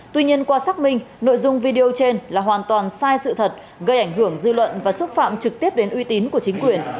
tuy nhiên qua xác minh nội dung video trên là hoàn toàn sai sự thật gây ảnh hưởng dư luận và xúc phạm trực tiếp đến uy tín của chính quyền